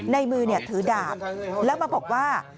ในมือถือดาบแล้วมาบอกว่า